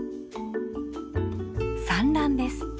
産卵です。